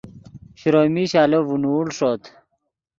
شروئے میش آلو ڤینوڑ ݰوت